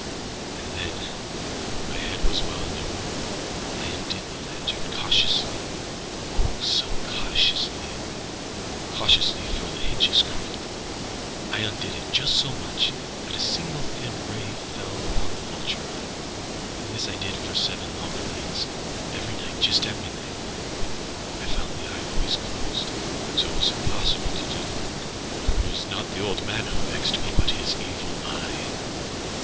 And then, when my head was well in the room, I undid the lantern cautiouslyâoh, so cautiouslyâcautiously (for the hinges creaked)âI undid it just so much that a single thin ray fell upon the vulture eye. And this I did for seven long nightsâevery night just at midnightâbut I found the eye always closed; and so it was impossible to do the work; for it was not the old man who vexed me, but his Evil Eye.